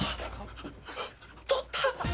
取った！